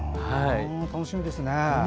楽しみですね。